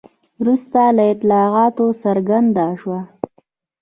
وروسته له اطلاعاتو څرګنده شوه.